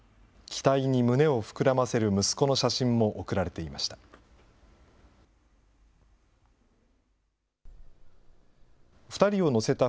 期待に胸を膨らませる息子の写真も送られていました。